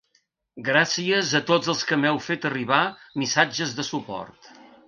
Gràcies a tots els que m'heu fet arribar missatges de suport.